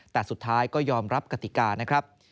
แต่สุดท้ายก็ยอมรับกติกานะครับ